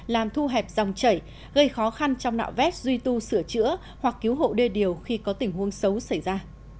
làm thu hẹp dòng chảy gây khó khăn trong nạo vét duy tu sửa chữa hoặc cứu hộ đê điều khi có tình huống xấu xảy ra